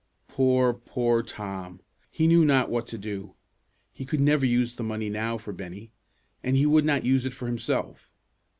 Poor, poor Tom! He knew not what to do. He could never use the money now for Bennie, and he would not use it for himself.